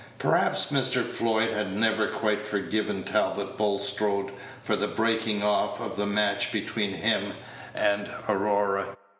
Perhaps Mr. Floyd had never quite forgiven Talbot Bulstrode for the breaking off of the match between him and Aurora.